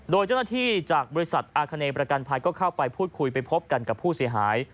โดยเจ้าหน้าที่จากบริษัทอาคเนประกันภัยก็เข้าไปพูดคุยไปพบกันกับผู้เสียหาย